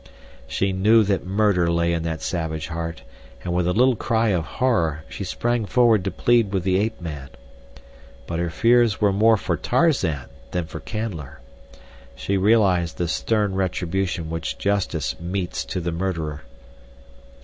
She knew that murder lay in that savage heart, and with a little cry of horror she sprang forward to plead with the ape man. But her fears were more for Tarzan than for Canler. She realized the stern retribution which justice metes to the murderer.